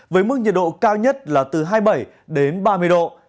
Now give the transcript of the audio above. với mức nhiệt độ cao nhất là từ hai mươi bảy đến ba mươi độ